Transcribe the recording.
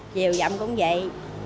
chiều dặm cũng dậy